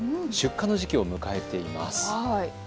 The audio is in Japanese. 出荷の時期を迎えています。